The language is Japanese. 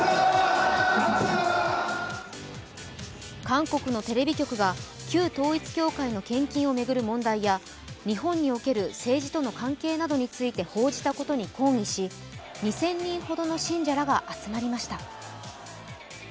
韓国のテレビ局が旧統一教会の献金を巡る問題や日本における政治との関係などについて報じたことに抗議し２０００人ほどの信者らが集まりました。